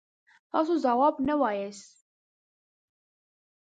تاسو ځواب نه وایاست.